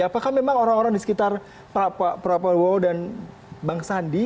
apakah memang orang orang di sekitar pak prabowo dan bang sandi